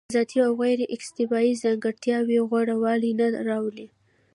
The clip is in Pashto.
ذاتي او غیر اکتسابي ځانګړتیاوې غوره والی نه راوړي.